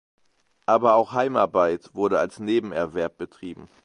Aber auch Heimarbeit wurde als Nebenerwerb betrieben.